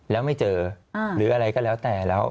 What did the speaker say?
แล้วไม่เจอหรืออะไรก็แล้วแต่แล้ว